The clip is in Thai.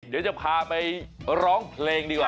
เดี๋ยวจะพาไปร้องเพลงดีกว่า